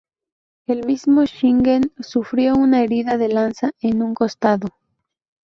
El mismo Shingen sufrió una herida de lanza en un costado.